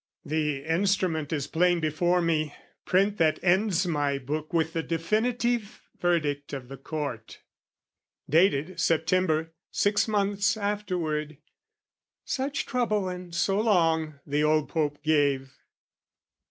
The Instrument Is plain before me, print that ends my Book With the definitive verdict of the Court, Dated September, six months afterward, (Such trouble and so long, the old Pope gave!)